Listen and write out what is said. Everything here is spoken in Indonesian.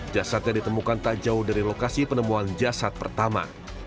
jasadnya ditemukan tak jauh dari lokasi penemuan jasad pertama